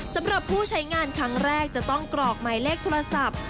สำหรับผู้ใช้งานครั้งแรกจะต้องกรอกหมายเลขโทรศัพท์